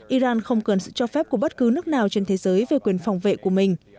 iran không cần sự cho phép của bất cứ nước nào trên thế giới về quyền phòng vệ của mình